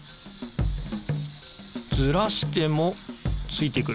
ずらしてもついてくる。